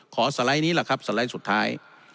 สไลด์นี้แหละครับสไลด์สุดท้าย